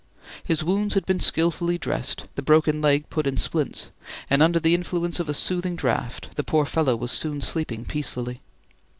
His wounds had been skilfully dressed, the broken leg put in splints, and under the influence of a soothing draught the poor fellow was soon sleeping peacefully.